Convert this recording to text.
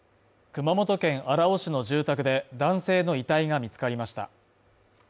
熊本県荒尾市の住宅で男性の遺体が見つかりました。